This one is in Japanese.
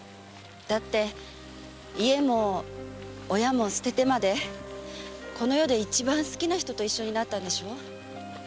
だって家も親も捨ててまでこの世で一番好きな人と一緒になったんでしょ？